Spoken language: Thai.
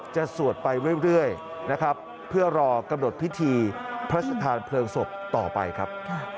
สวดไปเรื่อยนะครับเพื่อรอกำหนดพิธีพระชธานเพลิงศพต่อไปครับ